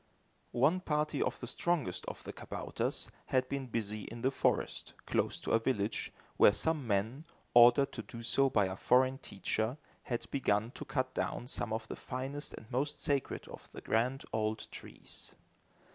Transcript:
One party of the strongest of the kabouters had been busy in the forest, close to a village, where some men, ordered to do so by a foreign teacher, had begun to cut down some of the finest and most sacred of the grand old trees.